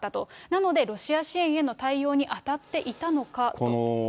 なので、ロシア支援への対応に当たっていたのかと。